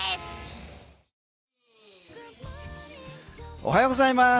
おはようございます。